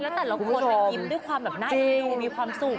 ครับคุณผู้ชมแล้วแต่ละคนไปกินด้วยความแบบไหนดูมีความสุขนะ